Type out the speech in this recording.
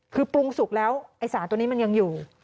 คือปรุงสุกแล้วไอ้สารตัวนี้มันยังอยู่